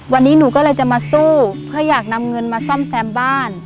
วันนี้หนูก็เลยจะมาสู้เพื่ออยากนำเงินมาซ่อมแซมบ้าน